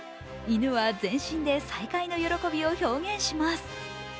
犬は全身で再会の喜びを表現します。